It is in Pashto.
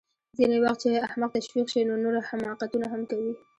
ځینې وخت چې احمق تشویق شي نو نور حماقتونه هم کوي